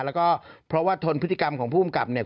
แล้วก็เพราะว่าทนพฤติกรรมของภูมิกับเนี่ย